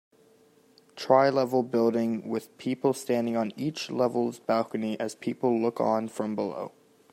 Trilevel building with people standing on each level 's balcony as people look on from below.